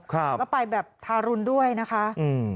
ก็ไปแบบทารุณด้วยนะคะ